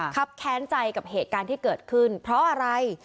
ครับแค้นใจกับเหตุการณ์ที่เกิดขึ้นเพราะอะไร